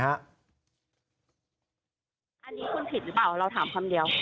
อันนี้คุณผิดหรือเปล่าเราถามคำเดียว